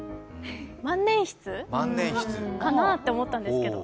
万年筆かなって思ったんですけど。